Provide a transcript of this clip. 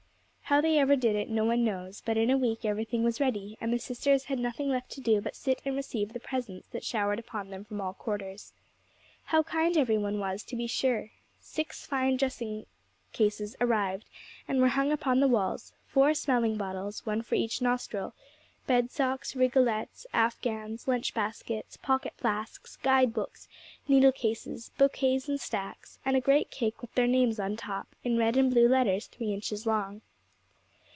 How they ever did it no one knows; but in a week everything was ready, and the sisters had nothing left to do but to sit and receive the presents that showered upon them from all quarters. How kind everyone was, to be sure! Six fine dressing cases arrived, and were hung upon the walls; four smelling bottles one for each nostril; bed socks, rigolettes, afghans, lunch baskets, pocket flasks, guide books, needle cases, bouquets in stacks, and a great cake with their names on top in red and blue letters three inches long.